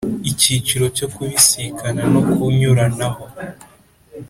Icyiciro cyo Kubisikana no kunyuranaho